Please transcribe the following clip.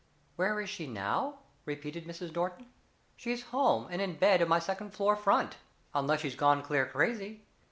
"Where is she now?" repeated Mrs. Norton. "She's home and in bed in my second floor front, unless she's gone clear crazy.